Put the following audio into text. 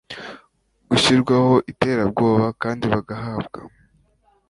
gushyirwaho iterabwoba kandi bagahabwa